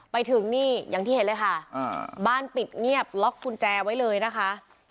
ไปถึงนี่อย่างที่เห็นเลยค่ะบ้านปิดเงียบล็อกกุญแจไว้เลยนะคะ